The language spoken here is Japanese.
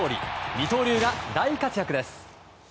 二刀流が大活躍です。